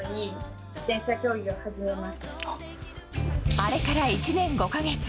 あれから１年５か月。